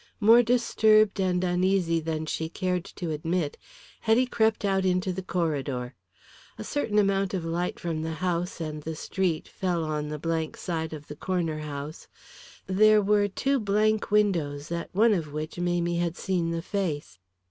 More disturbed and uneasy than she cared to admit, Hetty crept out into the corridor. A certain amount of light from the house and the street fell on the blank side of the Corner House. There were the two blank windows at one of which Mamie had seen the face.